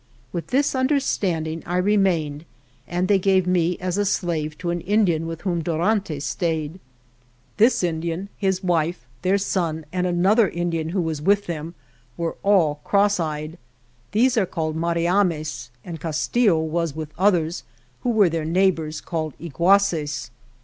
With this understanding I remained, and they gave me as a slave to an Indian with whom Dor antes stayed. This Indian, his wife, their 81 THE JOURNEY OF son and another Indian who was with them were all cross eyed. These are called Mari ames, and Castillo was with others, who were their neighbors, called Iguaces.